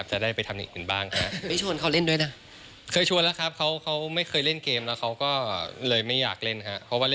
ไม่มีอะไรมากมายครับ